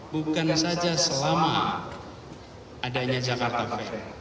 bukan saja selama adanya jakarta fair